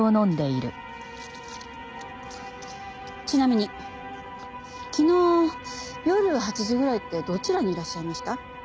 ちなみに昨日夜８時ぐらいってどちらにいらっしゃいました？